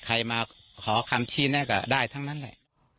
ใครมาขอคำชี้แน่ก็ได้ทั้งนั้นแหละ